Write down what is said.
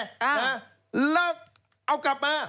แล้วเอากลับมา